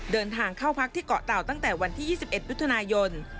เดินทางเข้าพักที่เกาะเต่าตั้งแต่วันที่๒๑มิถุนายน